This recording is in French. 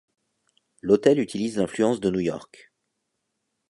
L'hôtel utilise l'influence de New York.